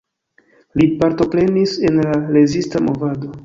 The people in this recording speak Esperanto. Li partoprenis en la rezista movado.